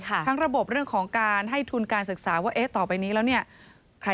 การให้ทุนการศึกษาว่าต่อไปนี้นี่ใครจะกล้าคำประกันให้อีกหรือเปล่า